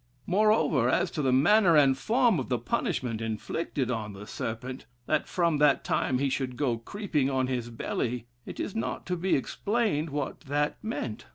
Moreover, as to the manner and form of the punishment inflicted on the serpent, that from that time he should go creeping on his belly, it is not to be explained what that meant.